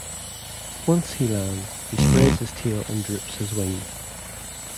Once he lands, he spreads his tail and droops his wings.